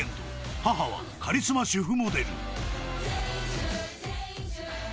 ［母はカリスマ主婦モデル］